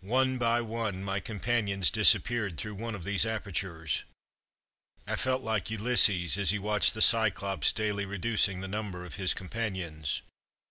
One by one my companions dis appeared through one of these apertures. I felt like Ulysses as he watched the Cyclops daily reducing the number of his com panions.